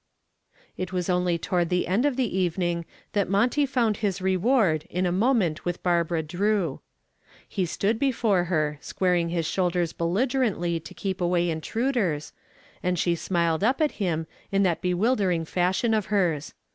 It was only toward the end of the evening that Monty found his reward in a moment with Barbara Drew. He stood before her, squaring his shoulders belligerently to keep away intruders, and she smiled up at him in that bewildering fashion of hers.